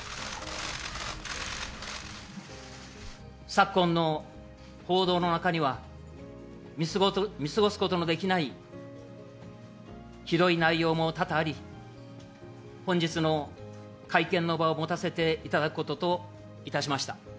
昨今の報道の中には、見過ごすことのできないひどい内容も多々あり、本日の会見の場を持たせていただくことといたしました。